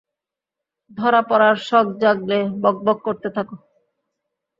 ধরা পড়ার শখ জাগলে, বকবক করতে থাকো।